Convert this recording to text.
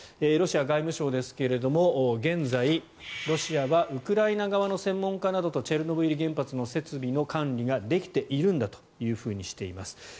ロシア外務省ですが現在、ロシアはウクライナ側の専門家などとチェルノブイリ原発の設備の管理ができているんだとしています。